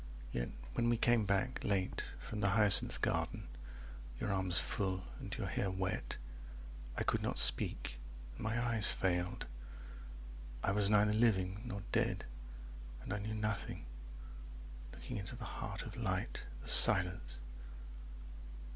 —Yet when we came back, late, from the Hyacinth garden, Your arms full, and your hair wet, I could not Speak, and my eyes failed, I was neither Living nor dead, and I knew nothing, 40 Looking into the heart of light, the silence.